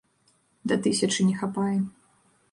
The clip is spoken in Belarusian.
Да тысячы не хапае.